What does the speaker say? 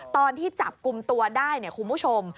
ตอนที่จับกลุ่มตัวได้เนี่ยคุณผู้ชม